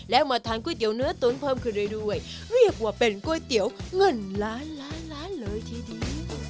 แล้วมาทานก๋วยเตี๋ยเนื้อตุ๋นเพิ่มขึ้นเรื่อยด้วยเรียกว่าเป็นก๋วยเตี๋ยวเงินล้านล้านเลยทีเดียว